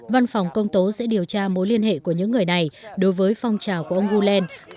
văn phòng công tố sẽ điều tra mối liên hệ của những người này đối với phong trào của ông guland